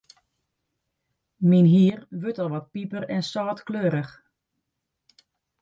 Myn hier wurdt al wat piper-en-sâltkleurich.